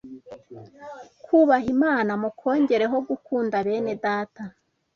kubaha Imana mukongereho gukunda bene Data